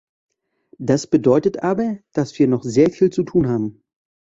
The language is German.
Das bedeutet aber, dass wir noch sehr viel zu tun haben.